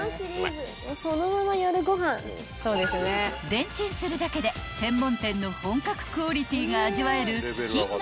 ［レンチンするだけで専門店の本格クオリティーが味わえる］